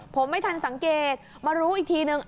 ผมไม่ทันสังเกตมารู้อีกทีนึง